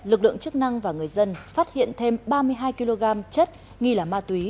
lực lượng chức năng và người dân phát hiện thêm ba mươi hai kg chất nghi là ma túy